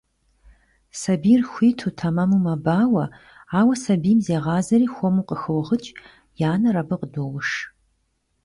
Сабийр хуиту, тэмэму мэбауэ, ауэ сабийм зегъазэри хуэму къыхогъыкӀ, и анэр абы къыдоуш.